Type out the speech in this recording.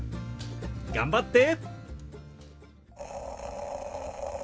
頑張って！